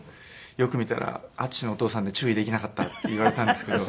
「よく見たらＡＴＳＵＳＨＩのお父さんで注意できなかった」って言われたんですけど。